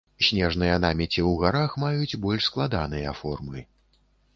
Снежныя намеці ў гарах маюць больш складаныя формы.